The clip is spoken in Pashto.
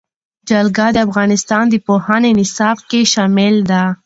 جلګه د افغانستان د پوهنې نصاب کې شامل دي.